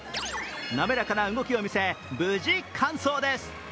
滑らかな動きを見せ無事完走です。